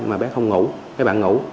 mà bé không ngủ cái bạn ngủ